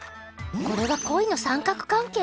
これは恋の三角関係！？